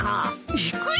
行くよ！